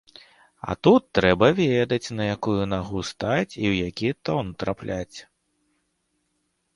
А тут трэба ведаць, на якую нагу стаць і ў які тон трапляць.